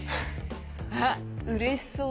あっうれしそう。